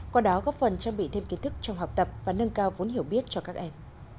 qua đó góp phần trang bị thêm kiến thức trong học tập và nâng cao vốn hiểu biết cho các em